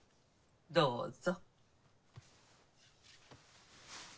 どうぞ。